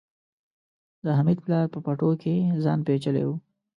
د حميد پلار په پټو کې ځان پيچلی و.